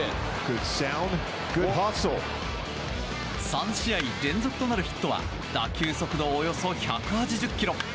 ３試合連続となるヒットは打球速度およそ１８０キロ。